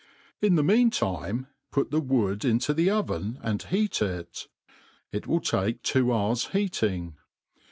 In the mean time, put the wood into the oven and heat it. It will take two hours heat ing.